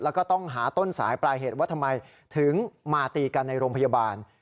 แล้วก็ต้องหาต้นสายปลายเหตุว่าทำไมถึงมาตีกันในโรงพยาบาล